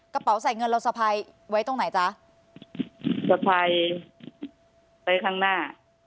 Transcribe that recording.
กระเป๋าใส่เงินเราสะพายไว้ตรงไหนจ๊ะสะพายไปข้างหน้า